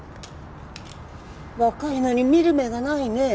若いのに見る目がないねえ。